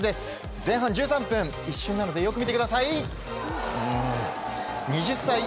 前半１３分、一瞬なのでよく見てください。